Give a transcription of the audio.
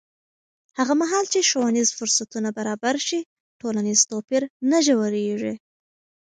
هغه مهال چې ښوونیز فرصتونه برابر شي، ټولنیز توپیر نه ژورېږي.